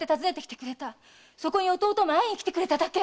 そこに弟が会いにきてくれただけ！